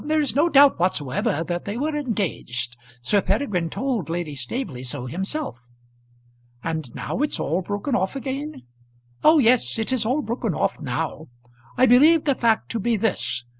"There is no doubt whatsoever that they were engaged. Sir Peregrine told Lady Staveley so himself." "And now it's all broken off again?" "Oh yes; it is all broken off now. I believe the fact to be this.